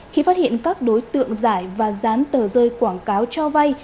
khi phát hiện các đối tượng giải và dán tờ rơi quảng cáo cho vay